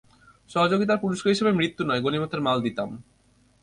সহযোগিতার পুরস্কার হিসেবে মৃত্যু নয়, গণিমতের মাল দিতাম।